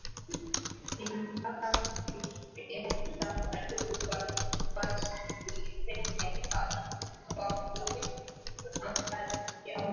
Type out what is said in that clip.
na mipaka kiutamaduni Wasunni wengi ni Wakurdi Wabaluchi au